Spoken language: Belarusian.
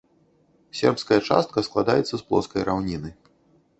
Сербская частка складаецца з плоскай раўніны.